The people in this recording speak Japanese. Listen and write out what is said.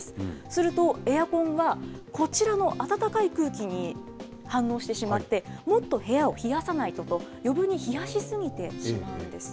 すると、エアコンがこちらの暖かい空気に反応してしまって、もっと部屋を冷やさないとと、余分に冷やし過ぎてしまうんです。